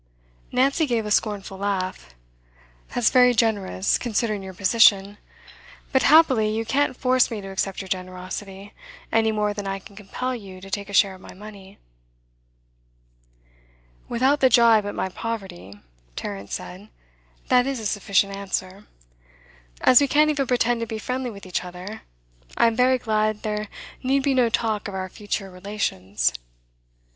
Nancy gave a scornful laugh. 'That's very generous, considering your position. But happily you can't force me to accept your generosity, any more than I can compel you to take a share of my money.' 'Without the jibe at my poverty,' Tarrant said, 'that is a sufficient answer. As we can't even pretend to be friendly with each other, I am very glad there need be no talk of our future relations.